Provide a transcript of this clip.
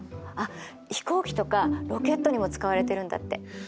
あっ飛行機とかロケットにも使われてるんだって。